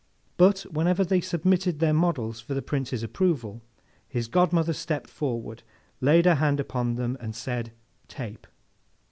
But, whenever they submitted their models for the Prince's approval, his godmother stepped forward, laid her hand upon them, and said 'Tape.